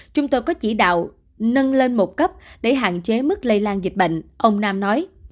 chúng tôi có chỉ đạo nâng lên một cấp để hạn chế mức lây lan dịch bệnh ông nam nói